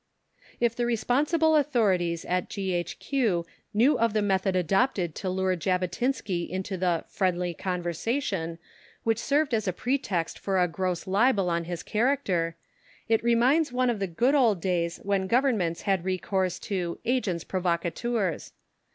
If the responsible authorities at G.H.Q. knew of the method adopted to lure Jabotinsky into the "friendly conversation" which served as a pretext for a gross libel on his character, it reminds one of the good old days when Governments had recourse to "Agents provocateurs."